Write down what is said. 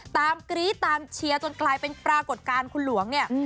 กรี๊ดตามเชียร์จนกลายเป็นปรากฏการณ์คุณหลวงเนี่ย